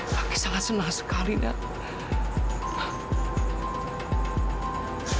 kakek sangat senang sekali nan